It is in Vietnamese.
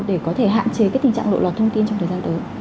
để có thể hạn chế cái tình trạng lộ loạt thông tin trong thời gian tới